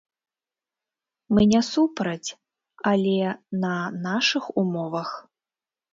Мы не супраць, але на нашых умовах.